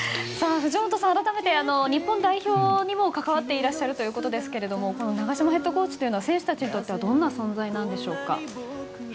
藤本さん、あらためて日本代表にも関わっていらっしゃるということですが長島ヘッドコーチというのは選手たちにとってはどんな存在なんでしょうか？